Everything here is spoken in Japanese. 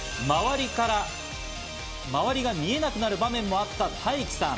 周りが見えなくなる場面もあったタイキさん。